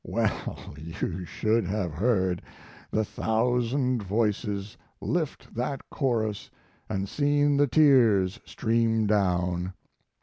Well, you should have heard the thousand voices lift that chorus and seen the tears stream down.